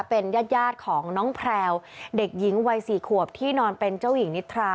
เป็นญาติของน้องแพลวเด็กหญิงวัย๔ขวบที่นอนเป็นเจ้าหญิงนิทรา